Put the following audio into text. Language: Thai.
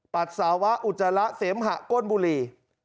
ปัสสาวะอุจจาระเสมหะก้นบุหรี่